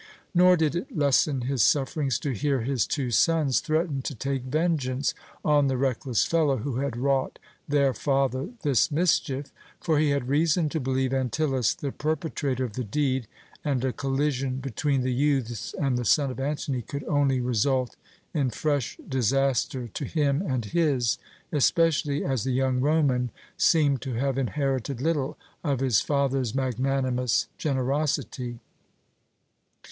Nor did it lessen his sufferings to hear his two sons threaten to take vengeance on the reckless fellow who had wrought their father this mischief, for he had reason to believe Antyllus the perpetrator of the deed, and a collision between the youths and the son of Antony could only result in fresh disaster to him and his, especially as the young Roman seemed to have inherited little of his father's magnanimous generosity.